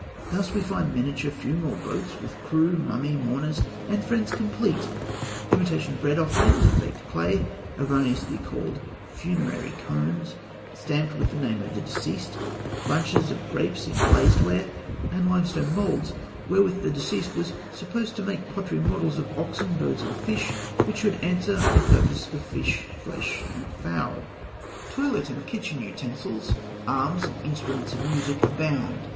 Thus we find miniature funeral boats, with crew, mummy, mourners, and friends complete; imitation bread offerings of baked clay, erroneously called "funerary cones," stamped with the name of the deceased; bunches of grapes in glazed ware; and limestone moulds wherewith the deceased was supposed to make pottery models of oxen, birds, and fish, which should answer the purpose of fish, flesh, and fowl. Toilet and kitchen utensils, arms, and instruments of music abound.